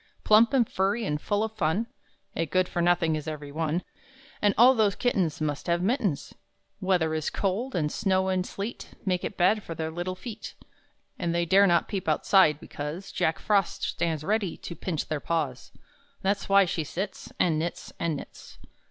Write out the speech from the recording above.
Plump and furry and full of fun, (A good for nothing is every one.) And all those kittens Must have mittens! Weather is cold; and snow and sleet Make it bad for their little feet; And they dare not peep outside, because Jack Frost stands ready to pinch their paws That's why she sits, And knits, and knits.